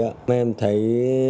nhưng em thấy